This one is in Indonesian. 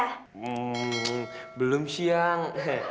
hmm belum siang